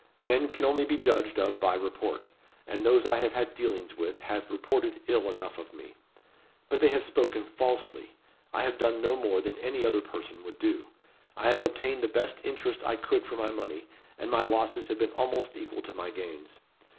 Men can only be judged of by report; and those I have had dealings with have reported ill enough of me. But they have spoken falsely. I have done no more than any other person would do. I have obtained the best interest I could for my money; and my losses have been almost equal to my gains.